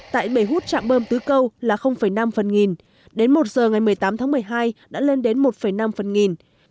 tại bể hút trạm bơm tứ câu là năm phần nghìn đến một giờ ngày một mươi tám tháng một mươi hai đã lên đến một năm phần nghìn